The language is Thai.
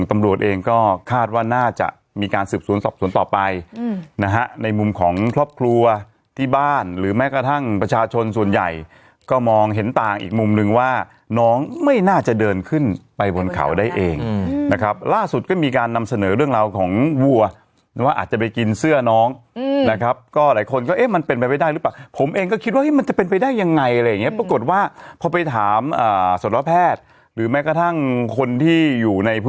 แม้กระทั่งประชาชนส่วนใหญ่ก็มองเห็นต่างอีกมุมหนึ่งว่าน้องไม่น่าจะเดินขึ้นไปบนเขาได้เองนะครับล่าสุดก็มีการนำเสนอเรื่องราวของวัวว่าอาจจะไปกินเสื้อน้องนะครับก็หลายคนก็เอ๊ะมันเป็นไปได้หรือเปล่าผมเองก็คิดว่ามันจะเป็นไปได้ยังไงอะไรอย่างเงี้ยปรากฏว่าพอไปถามสวรรคแพทย์หรือแม้กระทั่งคนที่อย